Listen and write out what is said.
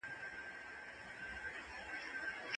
منفي چلند ژړا بې ګټې کوي.